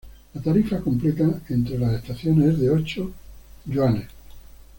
La tarifa completa entre las estaciones es de ocho yuanes.